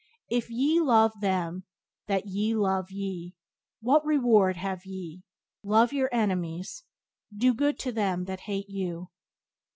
"If ye love them that love ye, what reward have ye?.... Love your enemies, do good to them that hate you."